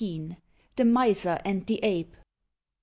THE MISER AND THE APE.